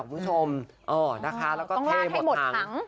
คุณผู้ชมต้องลาดให้หมดทั้ง